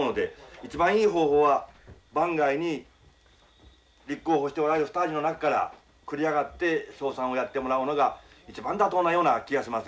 一番いい方法は番外に立候補しておられる２人の中から繰り上がって正三をやってもらうのが一番妥当なような気がしますが。